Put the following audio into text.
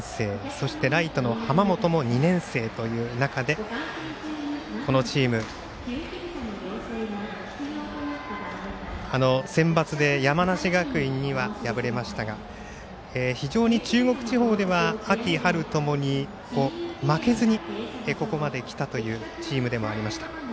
そして、ライトの濱本も２年生という中でこのチームセンバツで山梨学院には敗れましたが、中国地方では秋、春ともに負けずにここまで来たというチームでもありました。